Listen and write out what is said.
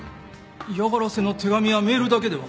嫌がらせの手紙やメールだけでは？